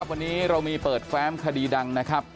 วันนี้เรามีเปิดแฟ้มคดีดังนะครับ